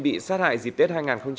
bị sát hại dịp tết hai nghìn một mươi chín